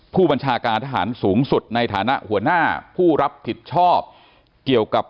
ผู้บัญชาการทหารสูงสุดในฐานะหัวหน้าผู้รับผิดชอบเกี่ยวกับ